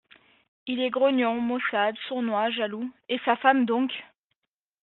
Il est grognon, maussade, sournois, jaloux… et sa femme donc !…